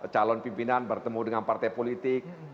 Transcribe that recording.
calon pimpinan bertemu dengan partai politik